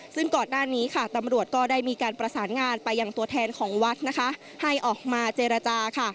ซึ่งก่อนหน้านี้ค่ะตำรวจก็ได้มีการประสานงานไปอย่างตัวแทนของวัดนะคะให้ออกมาเจรจาค่ะ